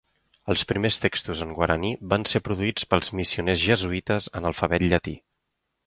Els primers textos en guaraní van ser produïts pels missioners jesuïtes en alfabet llatí.